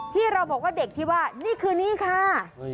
ที่เราบอกว่าเด็กที่ว่านี่คือนี่ค่ะ